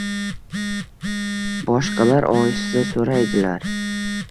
Boshqalar ohista so‘raydilar.